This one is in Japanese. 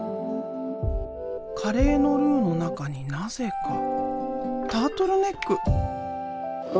カレーのルーの中になぜかタートルネック？